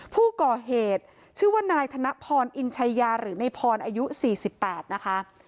ผู้ก่อเหตุชื่อว่านายธนพรอินชัยยาหรือในพรอายุ๔๘นะคะ